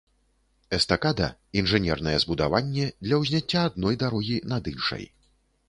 Эстакада — інжынернае збудаванне для ўзняцця адной дарогі над іншай